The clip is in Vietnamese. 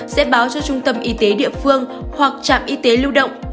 sẽ báo cho trung tâm y tế địa phương hoặc trạm y tế lưu động